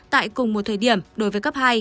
tại cùng một thời điểm đối với cấp hai